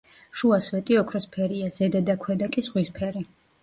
შუა სვეტი ოქროსფერია, ზედა და ქვედა კი ზღვისფერი.